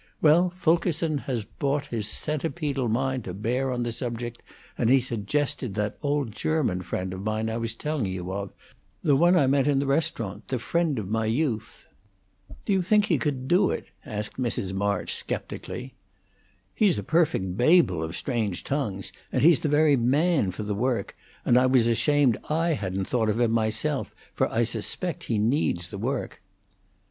Well, Fulkerson has brought his centipedal mind to bear on the subject, and he's suggested that old German friend of mine I was telling you of the one I met in the restaurant the friend of my youth." "Do you think he could do it?" asked Mrs. March, sceptically. "He's a perfect Babel of strange tongues; and he's the very man for the work, and I was ashamed I hadn't thought of him myself, for I suspect he needs the work."